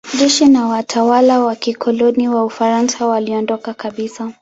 Jeshi na watawala wa kikoloni wa Ufaransa waliondoka kabisa.